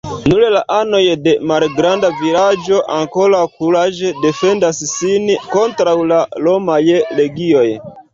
Nur la anoj de malgranda vilaĝo ankoraŭ kuraĝe defendas sin kontraŭ la romaj legioj.